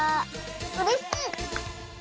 うれしい！